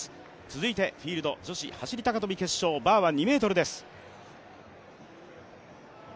続いて、フィールド女子走高跳決勝、バーは２ｍです。